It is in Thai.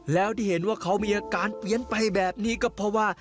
แล้วที่เห็นว่าเขามีอาการเปลี่ยนไปแบบนี้ก็เพราะว่า